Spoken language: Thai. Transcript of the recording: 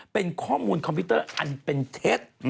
เป็นข้อมูลคอมพิวเตอร์อันเป็นเท็จ